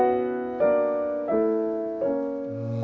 うん。